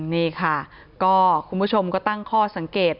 นี่ค่ะก็คุณผู้ชมก็ตั้งข้อสังเกต